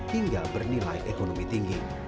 hingga bernilai ekonomi tinggi